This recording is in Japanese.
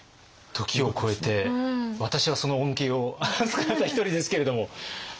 時を超えて私はその恩恵をあずかった一人ですけれども。